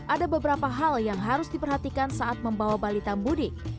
ada beberapa hal yang harus diperhatikan saat membawa balita mudik